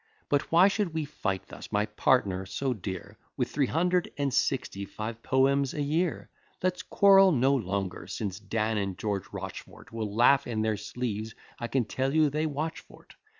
But why should we fight thus, my partner so dear With three hundred and sixty five poems a year? Let's quarrel no longer, since Dan and George Rochfort Will laugh in their sleeves: I can tell you they watch for't.